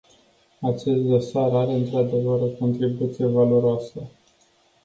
Acest dosar are într-adevăr o contribuție valoroasă.